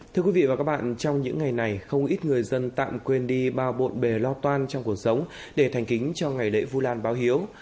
thưa quý vị và các bạn trong những ngày này không ít người dân tạm quên đi bao bộn bề lo toan trong cuộc sống để thành kính cho ngày lễ vu lan báo hiếu